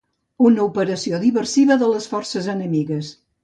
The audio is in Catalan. Una operació diversiva de les forces enemigues.